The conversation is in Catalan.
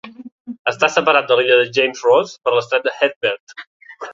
Està separat de l'illa de James Ross per l'estret de Herbert.